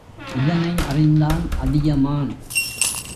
இதனை அறிந்தான் அதியமான்.